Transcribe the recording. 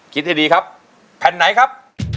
คิดให้ดีครับแผ่นไหนครับ